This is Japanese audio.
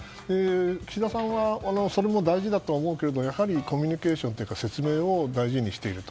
岸田さんはそれも大事だとは思うけどコミュニケーションというか説明を大事にしていると。